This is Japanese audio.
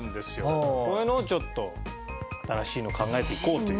こういうのをちょっと新しいのを考えていこうという。